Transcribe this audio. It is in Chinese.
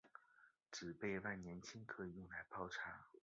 紫背万年青可以用来泡茶。